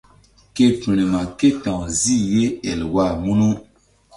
Ke firma ké ta̧w zih ye Elwa munu.